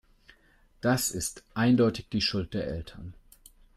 Das ist eindeutig die Schuld der Eltern.